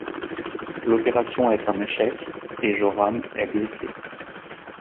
L'opération est un échec et Joram est blessé.